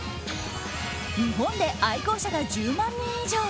日本で愛好者が１０万人以上。